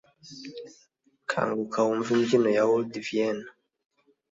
Kanguka wumva imbyino ya Old Vienne.